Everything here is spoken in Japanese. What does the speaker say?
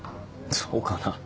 そうかな。